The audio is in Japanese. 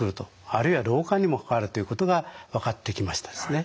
あるいは老化にも関わるということが分かってきましたですね。